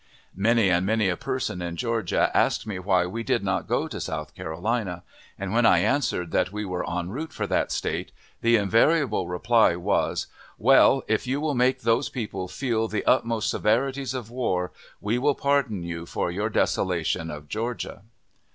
Many and many a person in Georgia asked me why we did not go to South Carolina; and, when I answered that we were enroute for that State, the invariable reply was, "Well, if you will make those people feel the utmost severities of war, we will pardon you for your desolation of Georgia."